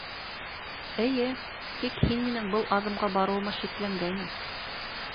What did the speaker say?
Эйе, Тик һин минең был аҙымға барыуыма шикләнгәйнең.